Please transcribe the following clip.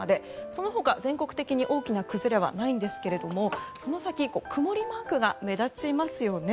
そのほか、全国的に大きな崩れはないんですけどもその先、曇りマークが目立ちますよね。